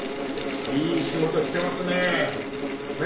いい仕事してますね。